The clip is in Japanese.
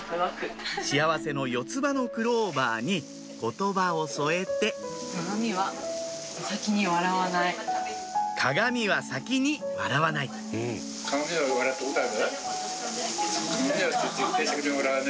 幸せの四つ葉のクローバーに言葉を添えて「鏡は先に笑わない」鏡は笑ったことある？